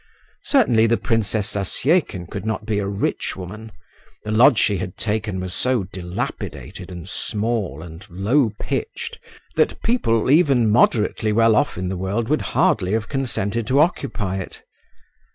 Certainly the Princess Zasyekin could not be a rich woman; the lodge she had taken was so dilapidated and small and low pitched that people, even moderately well off in the world, would hardly have consented to occupy it.